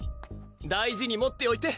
大事に持っておいて！